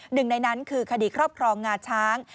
หนึ่งในนั้นคือคดีครอบครองงาช้าง